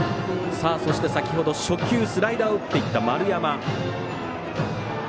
そして先ほど初球スライダーを打っていった丸山。